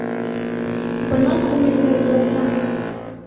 Бына күңелле буласаҡ!